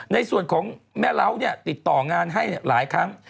ในส่วนของแม่เล้าติดต่องานให้หลายครั้ง